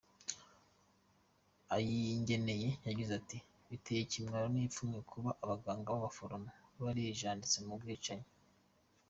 Ayingeneye yagize ati “Biteye ikimwaro n’ipfunwe, kuba abaganga n’abaforomo barijanditse mu bwicanyi.